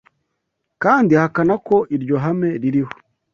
kandi ahakana ko iryo hame ririho